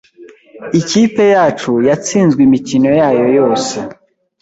Ikipe yacu yatsinzwe imikino yayo yose.